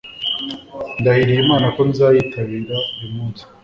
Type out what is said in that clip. ndahiriye imana ko nzayitabira buri munsi